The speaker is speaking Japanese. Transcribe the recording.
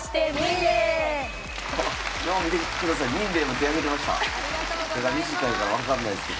手が短いから分かんないですけど。